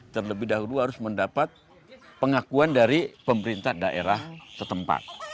terlebih dahulu harus mendapat pengakuan dari pemerintah daerah setempat